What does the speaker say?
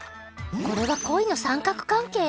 これは恋の三角関係！？